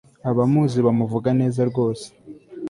Abamuzi bamuvuga neza rwose